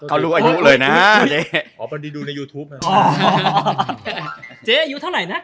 เขารู้อายุเลยนะเจ๊อ๋อพอดีดูในยูทูปนะอ๋อเจ๊อายุเท่าไหร่นะ